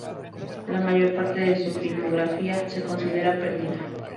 La mayor parte de su filmografía se considera perdida.